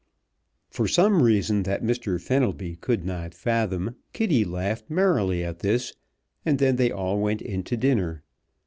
For some reason that Mr. Fenelby could not fathom Kitty laughed merrily at this, and then they all went in to dinner.